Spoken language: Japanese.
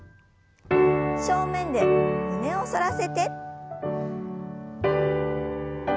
正面で胸を反らせて。